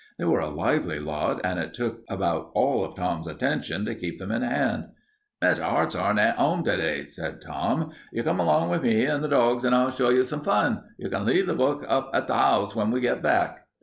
They were a lively lot, and it took about all of Tom's attention to keep them in hand. "Mr. 'Artshorn isn't 'ome to day," said Tom. "You come along with me and the dogs and I'll show you some fun. You can leave the book up at the 'ouse when we get back."